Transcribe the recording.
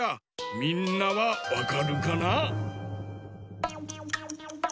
みんなはわかるかな？